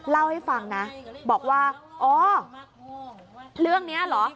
เล่าให้ฟังนะบอกว่าอ๋อเรื่องนี้เหรอ